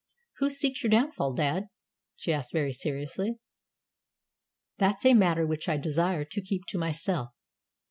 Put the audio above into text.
"Who seeks your downfall, dad?" she asked very seriously. "That's a matter which I desire to keep to myself.